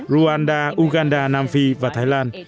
rwanda uganda nam phi và thái lan